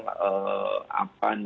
nah ini kalau memang